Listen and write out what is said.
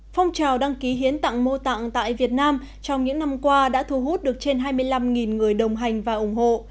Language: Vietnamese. phong trào đăng ký hiến tặng mô tặng tại việt nam trong những năm qua đã thu hút được trên hai mươi năm người đồng hành và ủng hộ